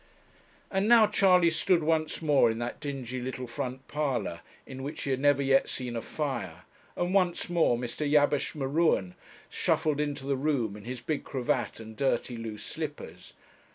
And now Charley stood once more in that dingy little front parlour in which he had never yet seen a fire, and once more Mr. Jabesh M'Ruen shuffled into the room in his big cravat and dirty loose slippers.